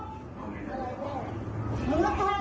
มึงก็แค่ลูกจ้างต๊อกต่อย